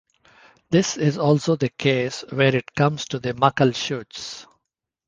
This is also the case where it comes to the Muckleshoots.